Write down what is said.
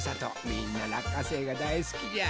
みんならっかせいがだいすきじゃ。